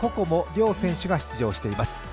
椛両選手が出場しています。